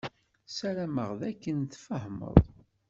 Ssarameɣ d akken tfehmeḍ.